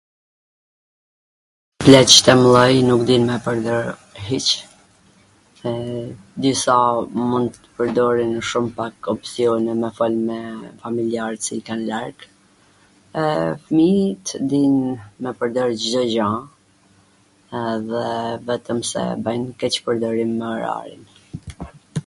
Pleqt e mdhej nuk din me pwrdor hiC, disa mund t pwrdorin shum pak opsjone me fol me familjarwt ci i kan larg, e fmijt din me pwrdor Cdo gja edhe vetwm se bwjn keqpwrdorim me orarin...